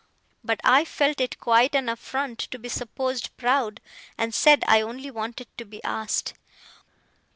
But I felt it quite an affront to be supposed proud, and said I only wanted to be asked.